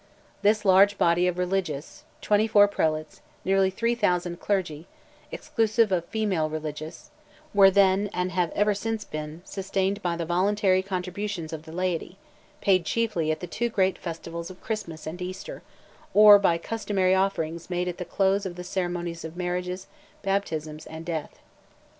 This large body of religious—24 prelates, nearly 3,000 clergy—exclusive of female religious—were then, and have ever since been, sustained by the voluntary contributions of the laity, paid chiefly at the two great festivals of Christmas and Easter, or by customary offerings made at the close of the ceremonies of marriages, baptisms, and death.